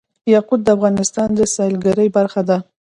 یاقوت د افغانستان د سیلګرۍ برخه ده.